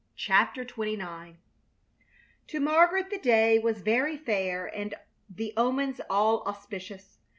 CHAPTER XXIX To Margaret the day was very fair, and the omens all auspicious.